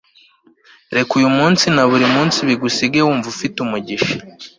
reka uyu munsi na buri munsi bigusige wumva ufite umugisha